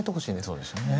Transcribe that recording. そうですよね。